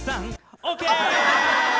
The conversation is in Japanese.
オーケー！